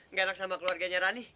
nggak enak sama keluarganya rani